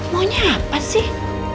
maunya apa sih